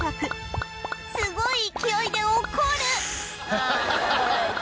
すごい勢いで怒る！